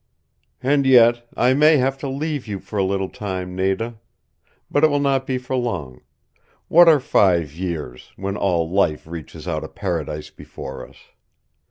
"And yet I may have to leave you for a little time, Nada. But it will not be for long. What are five years, when all life reaches out a paradise before us?